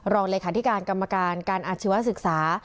รองเลขาธิการกรรมการการอาชีวศึกษา